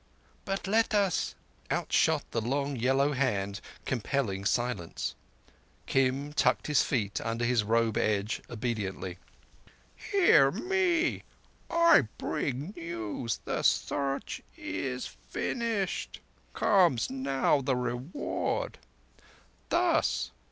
"But let us—" Out shot the long yellow hand compelling silence. Kim tucked his feet under his robe edge obediently. "Hear me! I bring news! The Search is finished. Comes now the Reward... Thus.